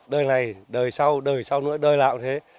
đời này đời sau đời sau nữa đời lạ thế